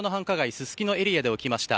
すすきののエリアで起きました。